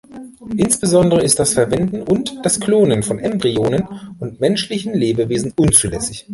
Insbesondere ist das Verwenden und das Klonen von Embryonen und menschlichen Lebewesen unzulässig.